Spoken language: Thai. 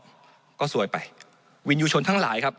มันตรวจหาได้ระยะไกลตั้ง๗๐๐เมตรครับ